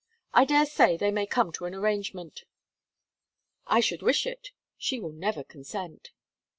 I dare say they may come to an arrangement.' 'I should wish it. She will never consent.'